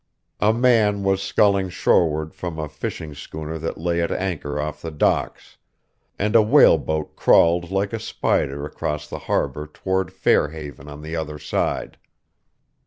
A man was sculling shoreward from a fishing schooner that lay at anchor off the docks; and a whaleboat crawled like a spider across the harbor toward Fairhaven on the other side.